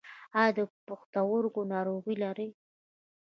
ایا د پښتورګو ناروغي لرئ؟